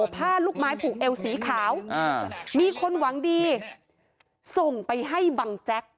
ผ้าลูกไม้ผูกเอวสีขาวมีคนหวังดีส่งไปให้บังแจ๊ก